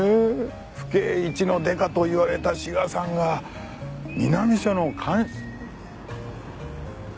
府警一のデカと言われた志賀さんが南署の鑑。